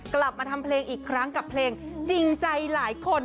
กลับมาทำเพลงอีกครั้งกับเพลงจริงใจหลายคน